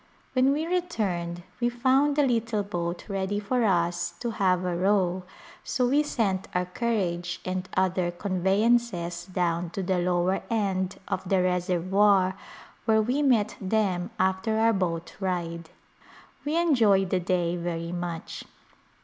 When we returned we found the little boat ready for us to have a row so we sent our carriage and other conveyances down to the lower end of the reservoir where we met them after our boat ride. We enjoyed the day very much.